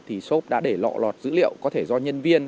thì shop đã để lộ lọt dữ liệu có thể do nhân viên